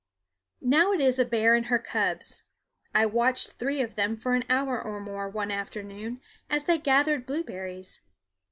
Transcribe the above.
Now it is a bear and her cubs I watched three of them for an hour or more, one afternoon, as they gathered blueberries.